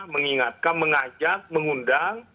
mengingatkan mengajak mengundang